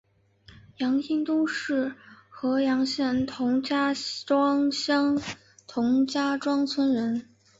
杨荫东是合阳县同家庄乡同家庄村人。